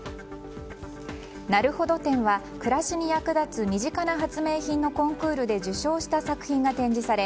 「なるほど展」は暮らしに役立つ身近な発明品のコンクールで受賞した作品が展示され